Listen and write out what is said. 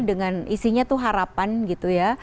dengan isinya tuh harapan gitu ya